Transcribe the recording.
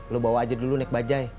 lo bawa aja dulu nek bajaj